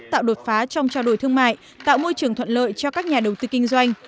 tạo đột phá trong trao đổi thương mại tạo môi trường thuận lợi cho các nhà đầu tư kinh doanh